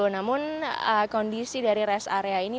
namun kondisi dari rest area ini